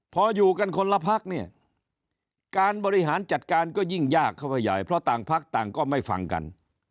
พออยู่กันคนละพักเนี่ยการบริหารจัดการก็ยิ่งยากเข้าไปใหญ่เพราะต่างพักต่างก็ไม่ฟังกัน